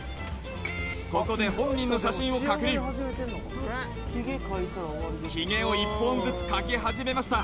ここで本人の写真を確認ヒゲを１本ずつ描き始めました